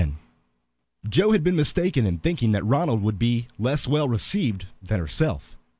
Joe had been mistaken in thinking that Ronald would be less well received than herself.